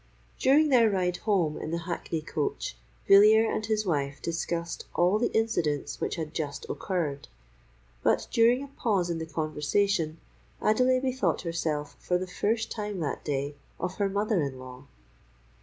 During their ride home in the hackney coach, Villiers and his wife discussed all the incidents which had just occurred; but during a pause in the conversation, Adelais bethought herself for the first time that day of her mother in law.